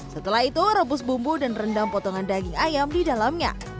setelah itu rebus bumbu dan rendam potongan daging ayam di dalamnya